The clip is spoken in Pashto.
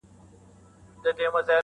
نو بیا دا لوږه ولې دومره ډېره ده